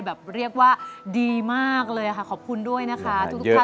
แบบว่าเรียกว่าดีมากเลยค่ะขอบคุณด้วยนะคะทุกท่าน